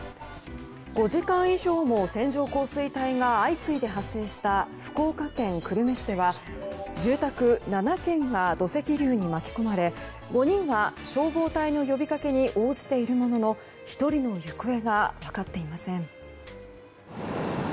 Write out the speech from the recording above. ５時間以上も線状降水帯が相次いで発生した福岡県久留米市では住宅７軒が土石流に巻き込まれ５人が消防隊の呼びかけに応じているものの１人の行方が分かっていません。